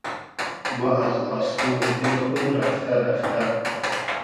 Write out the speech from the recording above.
ما از آسمۉنی دیل خو رئفتۂ رئفتۂ